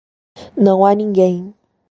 Não há ninguém.